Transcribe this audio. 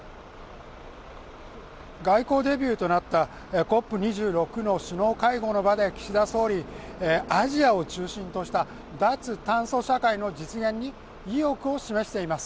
外交デビューとなったＣＯＰ２６の首脳会合の場で岸田総理、アジアを中心とした脱炭素社会の実現に意欲を示しています。